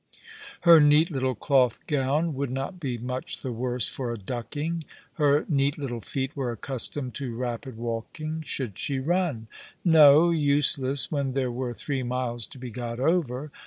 Her neat little cloth gown would not be much the worse for a ducking; her neat little feet were accustomed to rapid walking. Should she run? No; useless when there were three miles to be got over.